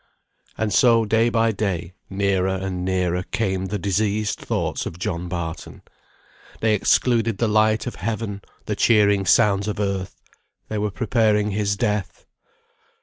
And so day by day, nearer and nearer, came the diseased thoughts of John Barton. They excluded the light of heaven, the cheering sounds of earth. They were preparing his death.